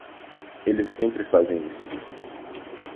Eles sempre fazem isso.